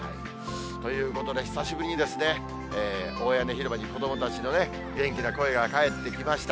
ということで、久しぶりに大屋根広場に子どもたちのね、元気な声が帰ってきました。